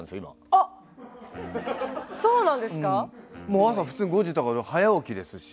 もう朝普通に５時とか早起きですし。